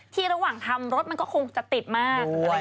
ที่ระหว่างทำรถมันก็คงจะติดมากอะไรอย่างนี้ด้วย